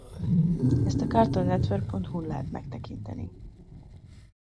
Ezt a CartoonNetwork.hu-n lehet megtekinteni.